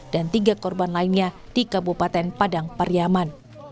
dan tiga korban lainnya di kabupaten padang paryaman